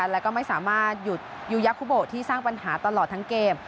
แล้วก็ไม่สามารถหยุดยูยาคุโบที่สร้างปัญหาตลอดทั้งเกม